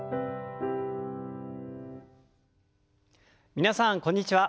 皆さんこんにちは。